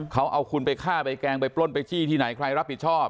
เขาเอาคุณไปฆ่าไปแกล้งไปปล้นไปจี้ที่ไหนใครรับผิดชอบ